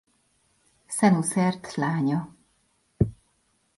Szenuszert lánya.